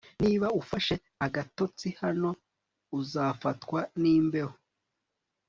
Niba ufashe agatotsi hano uzafatwa nimbeho